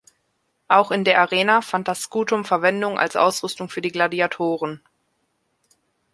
Auch in der Arena fand das "scutum" Verwendung als Ausrüstung für die Gladiatoren.